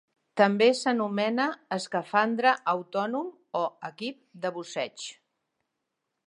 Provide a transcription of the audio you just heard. També s'anomena "escafandre autònom" o "equip de busseig".